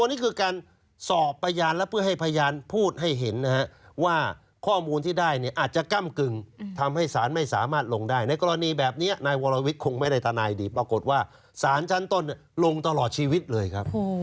นี่คือการสอบพยานและเพื่อให้พยานพูดให้เห็นนะฮะว่าข้อมูลที่ได้เนี่ยอาจจะก้ำกึ่งทำให้สารไม่สามารถลงได้ในกรณีแบบนี้นายวรวิทย์คงไม่ได้ทนายดีปรากฏว่าสารชั้นต้นลงตลอดชีวิตเลยครับ